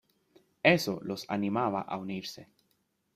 Eso los animaba a unirse.